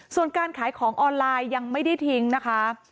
ส่วนการขายของออนไลน์ยังไม่ได้ทิ้งนะคะ